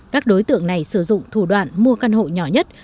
các đối tượng này sử dụng thủ đoạn mua căn hộ nhỏ nhất